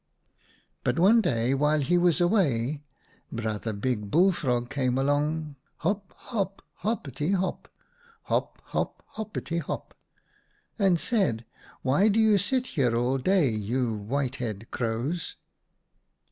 " But one day while he was away Brother Big Bullfrog came along, hop hop hoppity hop, hop hop hoppity hop, and said :' Why do you sit here all day, you Whitehead Crows